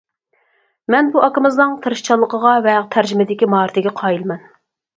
مەن بۇ ئاكىمىزنىڭ تىرىشچانلىقىڭغا ۋە تەرجىمىدىكى ماھارىتىگە قايىلمەن.